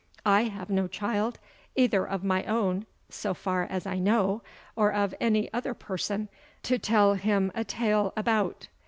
I have no child, either of my own, so far as I know, or of any other person, to tell him a tale about.